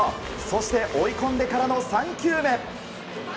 そして、追い込んでからの３球目。